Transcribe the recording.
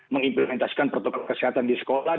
mengimplementasikan protokol kesehatan di sekolah